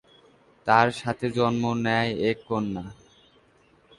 তার সাথে জন্ম নেয় এক কন্যা।